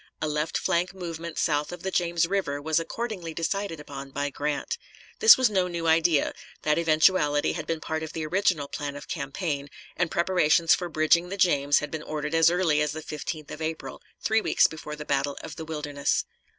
A left flank movement south of the James River was accordingly decided upon by Grant. This was no new idea; that eventuality had been part of the original plan of campaign, and preparations for bridging the James had been ordered as early as the 15th of April, three weeks before the battle of the Wilderness.